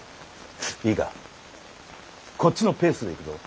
いいかこっちのペースでいくぞ。